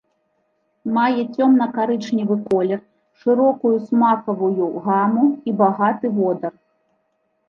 Мае цёмна-карычневы колер, шырокую смакавую гаму і багаты водар.